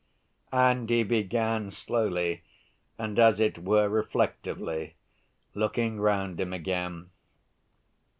And he began slowly, and as it were reflectively, looking round him again.